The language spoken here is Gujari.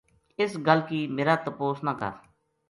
اِس گل کی میرا تپوس نہ کر